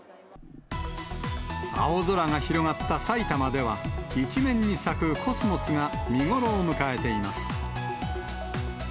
青空が広がった埼玉では、一面に咲くコスモスが見頃を迎えています。